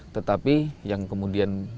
tetapi yang kemudian